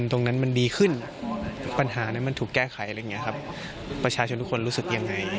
ตรงนั้นมันดีขึ้นอาหารมันถูกแก้ไขเลียงเงียบว่าช่าทุกคนรู้สึกยังไง